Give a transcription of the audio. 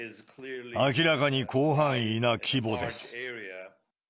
明らかに広範囲な規模です。